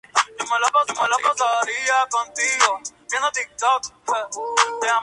La misión de la fundación es fomentar el desarrollo de la comunidad Python.